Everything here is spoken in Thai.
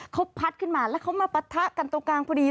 เขาพัดขึ้นมาแล้วเขามาปะทะกันตรงกลางพอดี